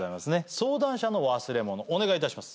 「相談者の忘れ物」お願いいたします。